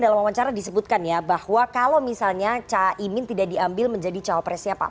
dalam wawancara disebutkan ya bahwa kalau misalnya caimin tidak diambil menjadi cawapresnya pak